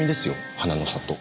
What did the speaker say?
花の里。